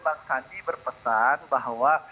pak sadi berpesan bahwa